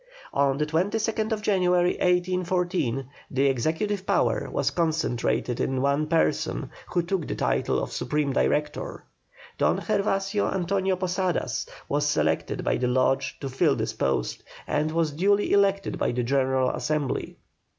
On the 22nd January, 1814, the executive power was concentrated in one person, who took the title of Supreme Director. Don Gervasio Antonio Posadas was selected by the Lodge to fill this post, and was duly elected by the General Assembly.